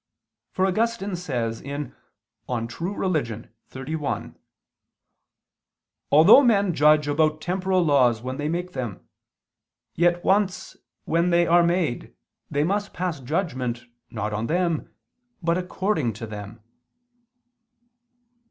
For Augustine says (De Vera Relig. 31): "Although men judge about temporal laws when they make them, yet when once they are made they must pass judgment not on them, but according to them."